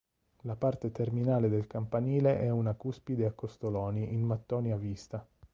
La parte terminale del campanile è una cuspide a costoloni in mattoni a vista.